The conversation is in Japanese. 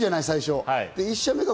最初。